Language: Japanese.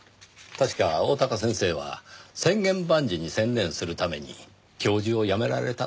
確か大鷹先生は『千言万辞』に専念するために教授を辞められたとか。